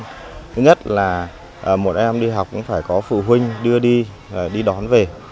thứ nhất là một em đi học cũng phải có phụ huynh đưa đi đi đón về